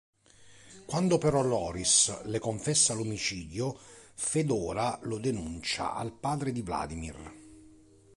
Quando però Loris le confessa l'omicidio, Fedora lo denuncia al padre di Vladimir.